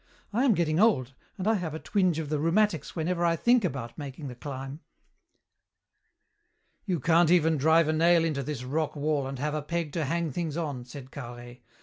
I am getting old, and I have a twinge of the rheumatics whenever I think about making the climb." "You can't even drive a nail into this rock wall and have a peg to hang things on," said Carhaix.